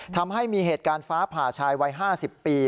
ทำให้มีเหตุการณ์ฟ้าผ่าชายวัย๕๐ปี